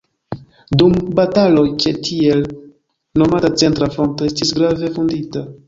Dum bataloj ĉe tiel nomata centra fronto estis grave vundita.